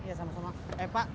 ya sama sama eh pak